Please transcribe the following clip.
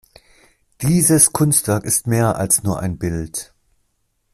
Dieses Kunstwerk ist mehr als nur ein Bild.